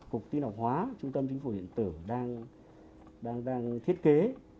cục tin học hóa trung tâm chính phủ điện tử đang thiết kế